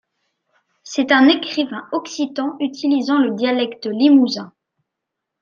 C'est un écrivain occitan utilisant le dialecte limousin.